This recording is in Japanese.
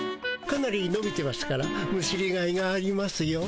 かなりのびてますからむしりがいがありますよ。